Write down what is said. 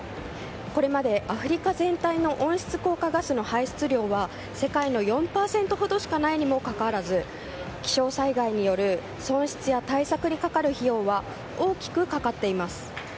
これまでアフリカ全体の温室効果ガスの排出量は世界の４％ほどしかないにもかかわらず気象災害による損失や対策にかかる費用は大きくかかっています。